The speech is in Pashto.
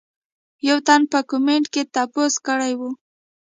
يو تن پۀ کمنټ کښې تپوس کړے وۀ